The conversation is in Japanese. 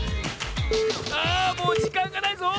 あもうじかんがないぞ！